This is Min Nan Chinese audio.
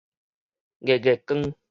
月月光